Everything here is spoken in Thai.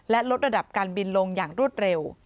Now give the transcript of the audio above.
และลดระดับการบินลงอย่างรวดเร็ว